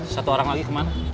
satu orang lagi kemana